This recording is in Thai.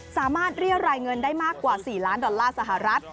สามารถเรียกรายเงินได้มากกว่า๔ล้านดอลลาร์สหรัฐ